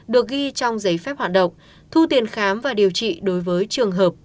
được ghi trong giấy phép hoạt động thu tiền khám và điều trị đối với trường hợp